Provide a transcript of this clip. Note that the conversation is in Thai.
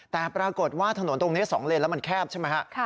แต่ปรากฏว่าถนนตรงนี้๒เลนแล้วมันแคบใช่ไหมฮะ